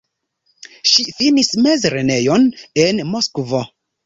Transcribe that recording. Ŝi finis mezlernejon en Moskvo.